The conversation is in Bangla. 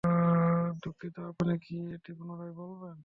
দুঃখিত, আপনি কি এটি পুনরায় বলবেন?